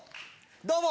どうも！